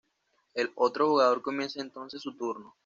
El otro jugador comienza entonces su turno.